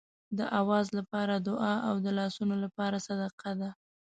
د آواز لپاره دعا او د لاسونو لپاره صدقه ده.